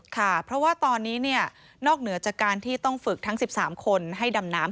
ค่ะเพราะว่าตอนนี้นอกเหนือจากการที่ต้องฝึกทั้ง๑๓คนให้ดำน้ำ